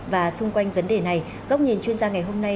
và xung quanh vấn đề này góc nhìn chuyên gia ngày hôm nay